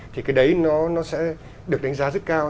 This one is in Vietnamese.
thì cái đấy nó sẽ được đánh giá rất cao